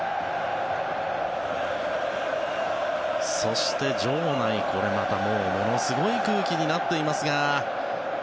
そして、場内ものすごい空気になっていますが。